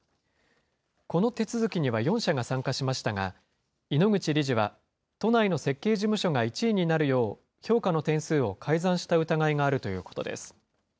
この手続きには４社が参加しましたが、井ノ口理事は都内の設計事務所が１位になるよう、評価の点数を改ざんした疑いがあるということです。